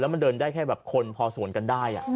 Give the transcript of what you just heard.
มันเดินได้แค่แบบคนพอสวนกันได้